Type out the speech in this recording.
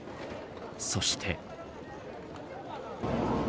そして。